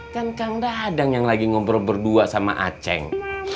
kan kang dadang yang lagi ngobrol berdua sama aceh